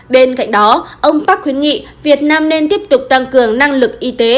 bên cạnh đó ông park khuyến nghị việt nam nên tiếp tục tăng cường năng lực y tế